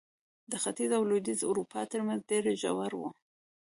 د ختیځې او لوېدیځې اروپا ترمنځ ډېر ژور و.